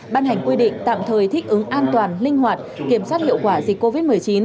ban hành quy định tạm thời thích ứng an toàn linh hoạt kiểm soát hiệu quả dịch covid một mươi chín